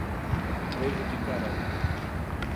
prejudicarão